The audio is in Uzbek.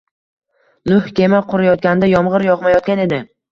Nuh kema qurayotganda yomg’ir yog’mayotgan edi